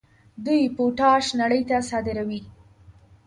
دوی پوټاش نړۍ ته صادروي.